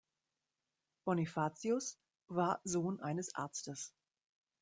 Bonifatius war Sohn eines Arztes.